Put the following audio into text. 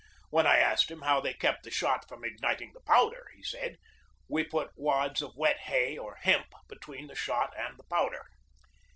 When I asked him how they kept the shot from igniting the powder, he said: "We put wads of wet hay or hemp between the shot and the powder."